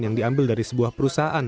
yang diambil dari sebuah perusahaan